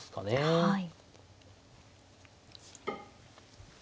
はい。